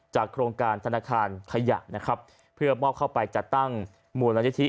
จากโครงการธนาคารไทยะเพื่อมอบเข้าไปจัดตั้งมูลยธิ